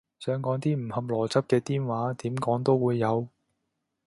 想講啲唔合邏輯嘅癲話，點講都會有